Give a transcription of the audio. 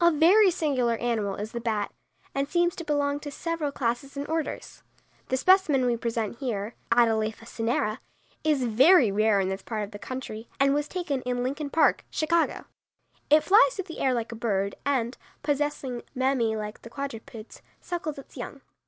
A very singular animal is the bat, and seems to belong to several classes and orders. The specimen we present here (Atalapha cinerea) is very rare in this part of the country, and was taken in Lincoln Park, Chicago. It flies through the air like a bird and, possessing mammæ like the quadrupeds, suckles its young.